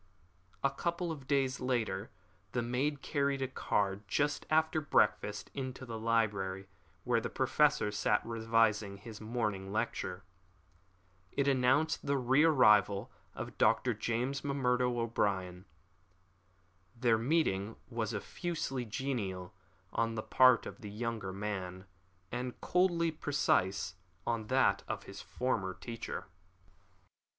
A couple of days later the maid carried a card just after breakfast into the library where the Professor sat revising his morning lecture. It announced the re arrival of Dr. James M'Murdo O'Brien. Their meeting was effusively genial on the part of the younger man, and coldly precise on that of his former teacher.